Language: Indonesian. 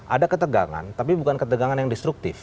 ada ketegangan tapi bukan ketegangan yang destruktif